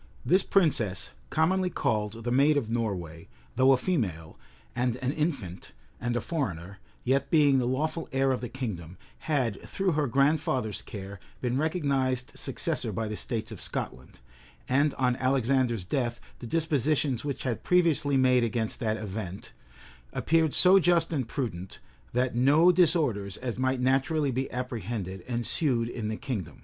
This princess, commonly called the Maid of Norway, though a female, and an infant, and a foreigner, yet being the lawful heir of the kingdom, had, through her grandfather's care, been recognized successor by the states of Scotland;[] and on Alexander's death, the dispositions which had been previously made against that event, appeared so just and prudent, that no disorders, as might naturally be apprehended, ensued in the kingdom.